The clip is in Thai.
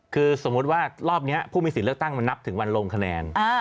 คือสมมุติว่ารอบนี้ผู้มีสิทธิ์เลือกตั้งมันนับถึงวันลงคะแนน